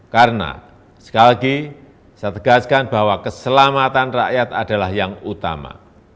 karena sekali lagi saya tegaskan bahwa keselamatan rakyat adalah yang utama